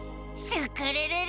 スクるるる！」